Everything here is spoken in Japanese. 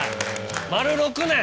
丸６年。